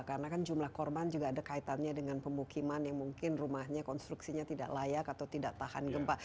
karena kan jumlah korban juga ada kaitannya dengan pemukiman yang mungkin rumahnya konstruksinya tidak layak atau tidak tahan gempa